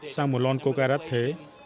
sao một lon coca đắt thế